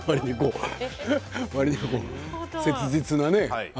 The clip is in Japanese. わりに切実なね。